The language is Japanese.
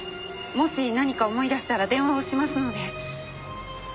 もし何か思い出したら電話をしますので。